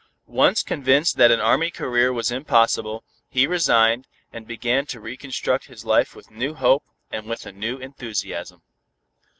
Once convinced that an Army career was impossible, he resigned, and began to reconstruct his life with new hope and with a new enthusiasm.